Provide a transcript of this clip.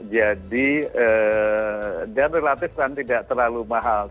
jadi dan relatif kan tidak terlalu mahal